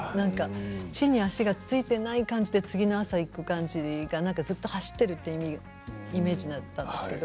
地に足がついていない感じで次の朝に行く感じでずっと走っているというイメージだったんですけど。